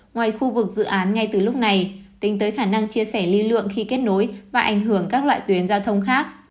ngoài khu vực dự án ngay từ lúc này tính tới khả năng chia sẻ ly lượng khi kết nối và ảnh hưởng các loại tuyến giao thông khác